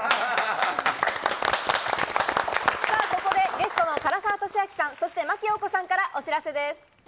ゲストの唐沢寿明さん、真木よう子さんからお知らせです。